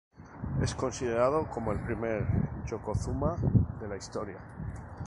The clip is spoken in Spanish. Es considerado como el primer "yokozuna" de la historia.